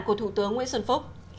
của thủ tướng nguyễn xuân phúc